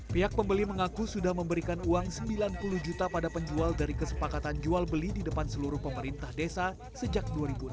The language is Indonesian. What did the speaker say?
pihak pembeli mengaku sudah memberikan uang sembilan puluh juta pada penjual dari kesepakatan jual beli di depan seluruh pemerintah desa sejak dua ribu enam belas